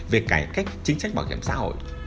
về cải cách chính sách bảo hiểm xã hội